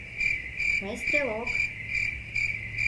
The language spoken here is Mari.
— Мый стрелок!